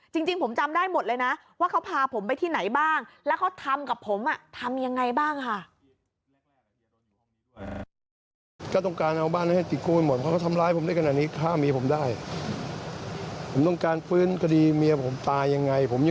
จริงผมจำได้หมดเลยนะว่าเขาพาผมไปที่ไหนบ้าง